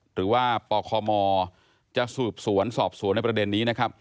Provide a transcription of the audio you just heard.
หรือว่าปคมจะสืบสวนสอบสวนในประเด็นนี้นะครับ